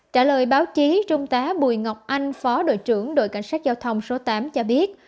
trả lời báo chí trung tá bùi ngọc anh phó đội trưởng đội cảnh sát giao thông số tám cho biết